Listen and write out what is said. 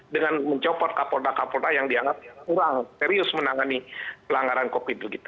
dengan mencopot kapolda kapolda yang dianggap kurang serius menangani pelanggaran covid itu gitu